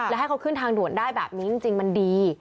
และให้เขาขึ้นทางด่วนได้แบบนี้จริงมันดี